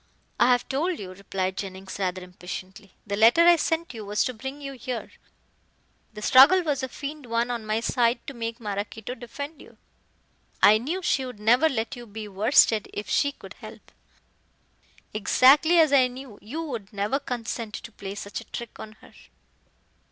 "I have told you," replied Jennings, rather impatiently, "the letter I sent you was to bring you here. The struggle was a feigned one on my side to make Maraquito defend you. I knew she would never let you be worsted if she could help; exactly as I knew you would never consent to play such a trick on her."